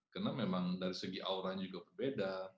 karena memang dari segi auranya juga berbeda